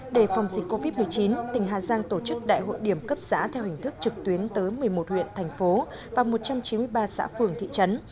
đề phòng dịch covid một mươi chín tỉnh hà giang tổ chức đại hội điểm cấp xã theo hình thức trực tuyến tới một mươi một huyện thành phố và một trăm chín mươi ba xã phường thị trấn